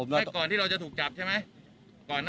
และก่อนที่เราจะถูกจับใช่ไหม